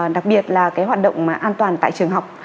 đặc biệt là cái hoạt động an toàn tại trường học